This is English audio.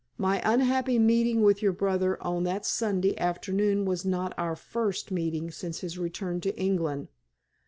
My unhappy meeting with your brother on that Sunday afternoon was not our first meeting since his return to England.